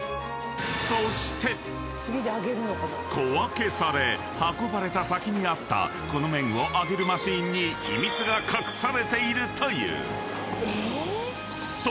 ［小分けされ運ばれた先にあったこの麺を揚げるマシンに秘密が隠されているという］